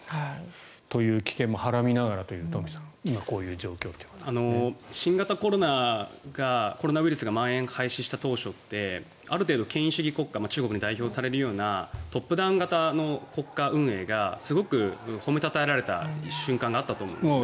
という危険もはらみながらという新型コロナコロナウイルスがまん延した当初ってある程度、権威主義国家中国に代表されるようなトップダウン型の国家運営がすごく褒めたたえられた瞬間があったと思うんですね。